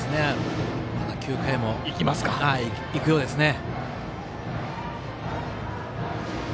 ９回もいくようですね。